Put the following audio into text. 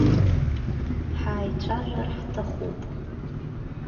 Ҳаицәажәар ҳҭахуп.